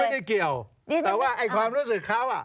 มันไม่เกี่ยวแต่ว่าความรู้สึกเขา